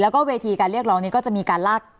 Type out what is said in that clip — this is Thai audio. แล้วก็เวทีการเรียกร้องนี้ก็จะมีการลาก